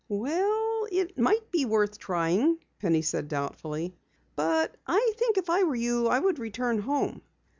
"Well, it might be worth trying," Penny said doubtfully. "But I think if I were you I would return home."